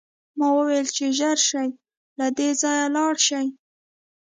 ما وویل چې ژر شئ او له دې ځایه لاړ شئ